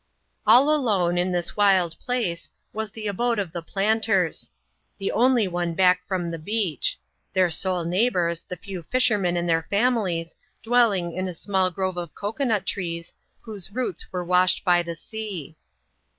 All alone, in this wild place, was the abode of the planters $ the only one back from the beach — their sole neighbours, the few fishermen and their families, dwelling in a small grove of cocoa nut trees, whose roots were washed by the sea.